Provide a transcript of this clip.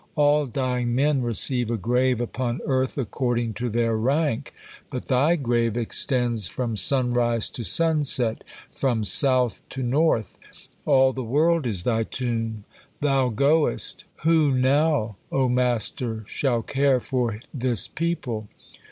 All dying men receive a grave upon earth according to their rank, but thy grave extends from sunrise to sunset, from South to North; all the world is thy tomb. Thou goest. Who not, O master, shall care for this people?